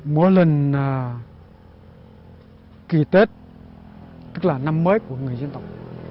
múa lần kỳ tết tức là năm mới của người dân tộc